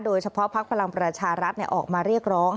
โดยเฉพาะพักพลังประชารัฐเนี้ยออกมาเรียกร้อง